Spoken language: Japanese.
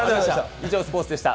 以上、スポーツでした。